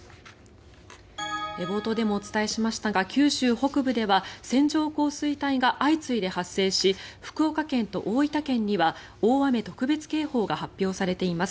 冒頭でもお伝えしましたが九州北部では線状降水帯が相次いで発生し福岡県と大分県には大雨特別警報が発表されています。